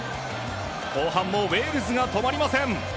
後半もウェールズが止まりません。